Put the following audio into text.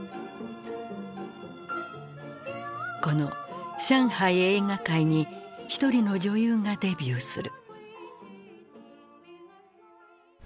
この上海映画界に１人の女優がデビューする。